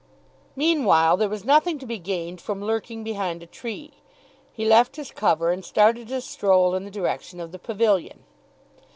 Meanwhile, there was nothing to be gained from lurking behind a tree. He left his cover, and started to stroll in the direction of the pavilion.